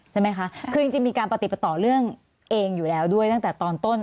ใช่ไหมคะคือจริงมีการปฏิปต่อเรื่องเองอยู่แล้วด้วยตั้งแต่ตอนต้น